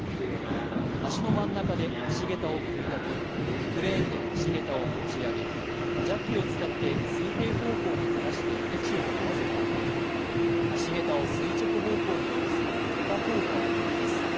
橋の真ん中で橋桁を組み立てクレーンで橋桁を持ち上げジャッキを使って水平方向にずらして位置を合わせたあと橋桁を垂直方向に降ろす桁降下を行います。